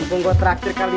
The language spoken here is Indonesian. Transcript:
bungkuk terakhir kalian